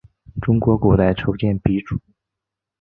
中国古代铸剑鼻祖。